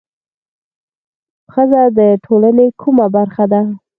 ښځه د ټولنې کومه برخه ده؟